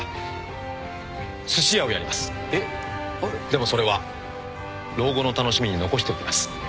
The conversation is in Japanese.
でもそれは老後の楽しみに残しておきます。